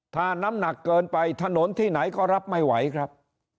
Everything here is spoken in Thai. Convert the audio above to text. ถ้าน้ำหนักเกินไปถนนที่ไหนก็รับไม่ไหวครับ